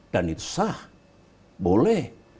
dan itu sah boleh